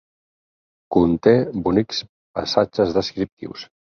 Conté bonics passatges descriptius.